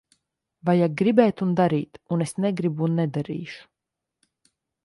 Vajag gribēt un darīt. Un es negribu un nedarīšu.